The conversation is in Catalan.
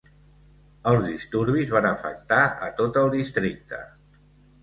Els disturbis van afectar a tot el districte.